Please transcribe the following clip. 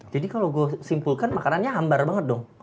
jadi kalo gue simpulkan makanannya ambar banget dong